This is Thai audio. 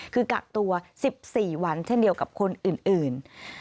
คือกักตัว๑๔วันเช่นเดียวกับคนอื่น